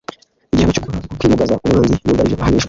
igihano cyo kwimugaza umwanzi yugarije ahanishwa